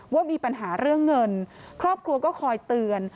ว่ามีปัญหาเรื่องเงินครอบครัวก็คอยเตือน